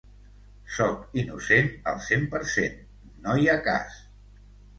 Sóc innocent al cent per cent, no hi ha cas